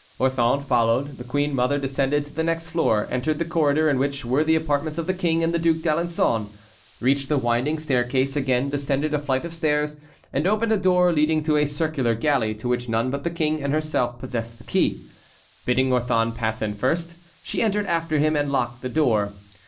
Orthon followed. The queen mother descended to the next floor, entered the corridor in which were the apartments of the king and the Duc d'Alençon, reached the winding staircase, again descended a flight of stairs, and opened a door leading to a circular gallery to which none but the king and herself possessed the key. Bidding Orthon pass in first, she entered after him and locked the door.